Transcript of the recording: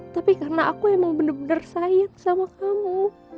tapi karena aku emang bener bener sayang sama kamu